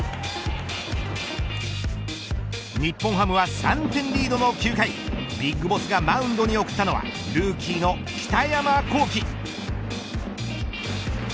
日本ハムは３点リードの９回ＢＩＧＢＯＳＳがマウンドに送ったのはルーキーの北山亘基。